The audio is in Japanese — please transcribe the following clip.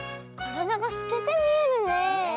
からだがすけてみえるねえ。